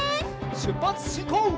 しゅっぱつしんこう！